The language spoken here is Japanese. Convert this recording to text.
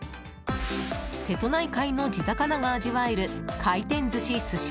瀬戸内海の地魚が味わえる回転寿司すし